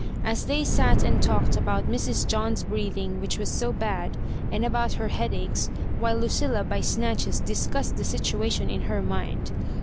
And they sat and talked about Mrs. John's breathing, which was so bad, and about her headaches, while Lucilla ^ by snatches discussed the situation ,^in her mind.